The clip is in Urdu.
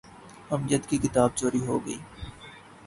امجد کی کتاب چوری ہو گئی۔